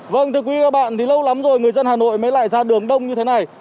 vâng thưa quý vị và bạn thì lâu lắm rồi người dân hà nội mới lại ra đường đông như thế này